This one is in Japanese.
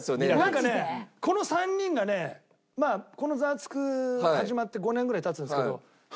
なんかねこの３人がねまあこの『ザワつく！』始まって５年ぐらい経つんですけど。